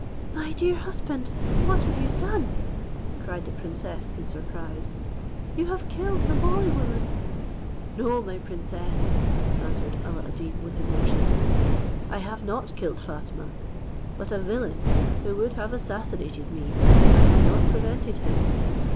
"My dear husband, what have you done?" cried the princess in surprise. "You have killed the holy woman." "No, my princess," answered Alla ad Deen, with emotion, "I have not killed Fatima, but a villain, who would have assassinated me, if I had not prevented him.